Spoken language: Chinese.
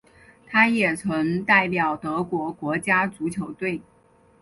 他也曾代表德国国家足球队。